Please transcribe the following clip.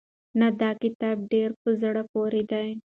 نه دا کتاب ډېر په زړه پورې دی.